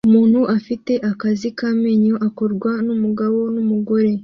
Umuntu afite akazi k'amenyo akorwa n'umugabo n'umugore